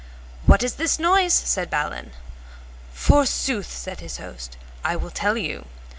What is this noise? said Balin. Forsooth, said his host, I will tell you.